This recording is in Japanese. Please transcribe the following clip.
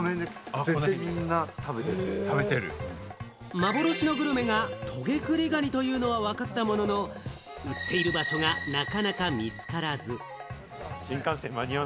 幻のグルメがトゲクリガニというのはわかったものの、売っている場所がなかなか見つからず。